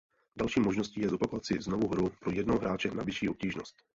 Další možností je zopakovat si znovu hru pro jednoho hráče na vyšší obtížnost.